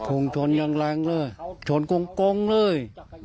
คนยังแรงเลยโฉนกงเลย